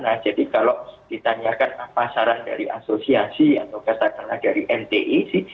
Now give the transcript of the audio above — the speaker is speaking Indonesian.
nah jadi kalau ditanyakan apa saran dari asosiasi atau katakanlah dari mti sih